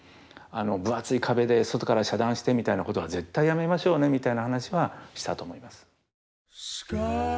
「分厚い壁で外から遮断してみたいなことは絶対やめましょうね」みたいな話はしたと思います。